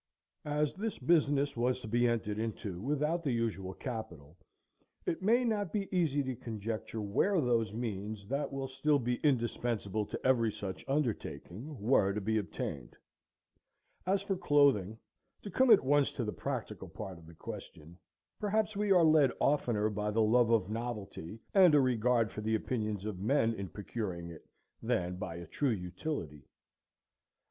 As this business was to be entered into without the usual capital, it may not be easy to conjecture where those means, that will still be indispensable to every such undertaking, were to be obtained. As for Clothing, to come at once to the practical part of the question, perhaps we are led oftener by the love of novelty, and a regard for the opinions of men, in procuring it, than by a true utility.